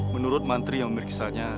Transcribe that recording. menurut mantri yang memirikisanya